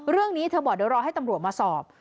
เรื่องนี้เธอบอกเดี๋ยวรอให้ตำรวจมาสอบ